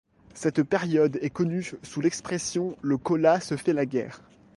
Cette période est connue sous l'expression le cola se fait la guerre.